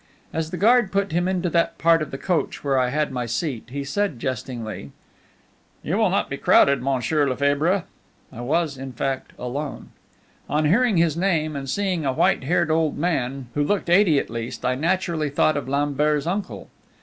As the guard put him into that part of the coach where I had my seat, he said jestingly: "You will not be crowded, Monsieur Lefebvre!" I was, in fact, alone. On hearing this name, and seeing a white haired old man, who looked eighty at least, I naturally thought of Lambert's uncle.